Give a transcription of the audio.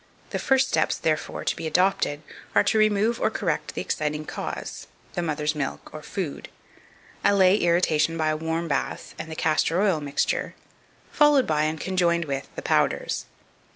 The first steps, therefore, to be adopted are, to remove or correct the exciting cause the mother's milk or food; allay irritation by a warm bath and the castor oil mixture, followed by and conjoined with the powders.